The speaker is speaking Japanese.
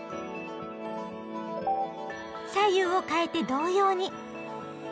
左右をかえて同様に。